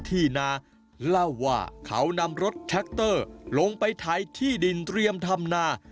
ที่นาเล่าว่าเขานำรถแท็กเตอร์ลงไปถ่ายที่ดินเตรียมทำนา